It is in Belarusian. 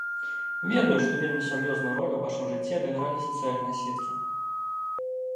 Ведаю, што вельмі сур'ёзную ролю ў вашым жыцці адыгралі сацыяльныя сеткі.